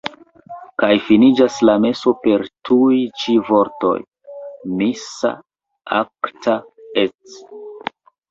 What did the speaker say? Kaj finiĝas la meso per tuj ĉi vortoj: "Missa acta est.